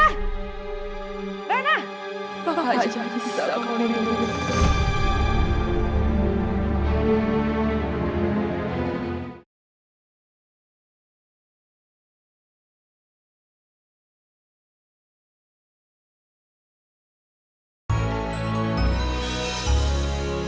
bapak aja gak bisa kamu lindungi